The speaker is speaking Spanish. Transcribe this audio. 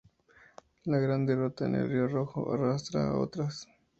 La gran derrota en el río Rojo arrastra a otras.